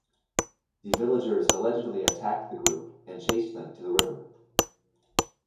The villagers allegedly attacked the group and chased them to the river.